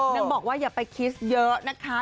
ยังบอกว่าอย่าไปคิดเยอะนะคะ